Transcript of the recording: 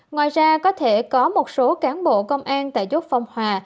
ngoài ra có thể có một số cán bộ công an tại dốc phong hòa